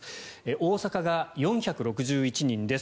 大阪が４６１人です。